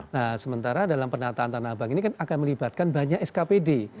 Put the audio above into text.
nah sementara dalam penataan tanah abang ini kan akan melibatkan banyak skpd